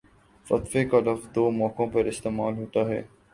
فتوے کا لفظ دو موقعوں پر استعمال ہوتا ہے